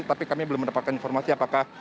tapi kami belum mendapatkan informasi apakah